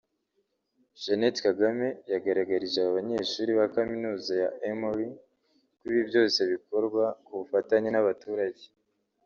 Jeannette Kagame yagaragarije aba banyeshuri ba Kaminuza ya Emory ko ibi byose bikorwa ku bufatanye n’abaturage